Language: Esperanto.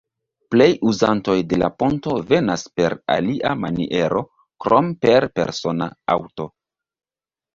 Plej uzantoj de la ponto venas per alia maniero krom per persona aŭto.